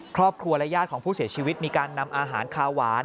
ครอบครัวและญาติของผู้เสียชีวิตมีการนำอาหารคาหวาน